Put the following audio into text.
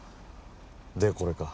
でこれか